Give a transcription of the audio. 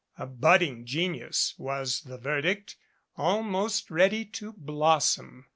A budding genius, was the verdict, almost ready to blossom.